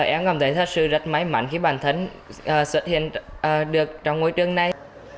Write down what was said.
em cảm thấy thật sự rất may mắn khi bản thân xuất hiện được trong ngôi trường này